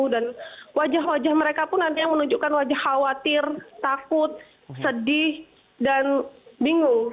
dan wajah wajah mereka pun nanti yang menunjukkan wajah khawatir takut sedih dan bingung